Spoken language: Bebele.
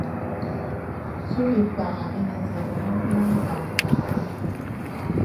Sùp bìpàghà ìnə zəkbən nə mgbōlka.